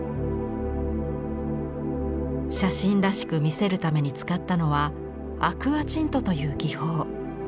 写真らしく見せるために使ったのは「アクアチント」という技法。